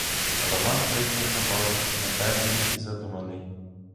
Роман прийшов на бал непевний і задуманий.